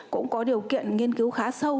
cũng có điều kiện nghiên cứu khá sâu